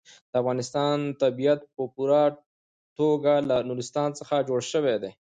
د افغانستان طبیعت په پوره توګه له نورستان څخه جوړ شوی دی.